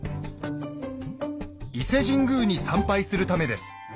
伊勢神宮に参拝するためです。